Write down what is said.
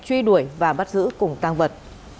truy đuổi và bắt giữ cùng tăng vật